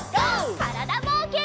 からだぼうけん。